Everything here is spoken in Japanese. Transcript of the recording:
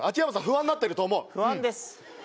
不安になってると思う不安です